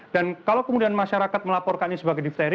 dan kalau kemudian masyarakat melaporkan ini sebagai diphteri